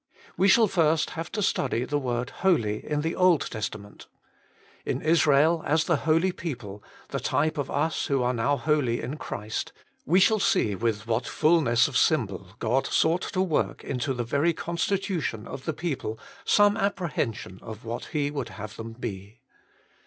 We shall first have to study the word Holy in the Old Testament. In Israel as the holy people, the type of us who now are holy in Christ, we shall see with what fulness of symbol God sought to work into the very constitution of the people some apprehension of what He would have them be.